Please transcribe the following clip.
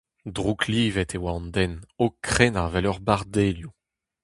Drouklivet e oa an den, o krenañ 'vel ur barr delioù.